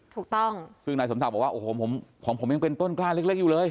ถูกต้องซึ่งนายสมศักดิ์บอกว่าโอ้โหของผมยังเป็นต้นกล้าเล็กอยู่เลย